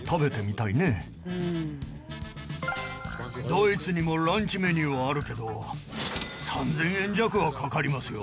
ドイツにもランチメニューはあるけど３０００円弱はかかりますよ。